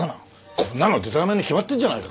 こんなのデタラメに決まってるじゃないか。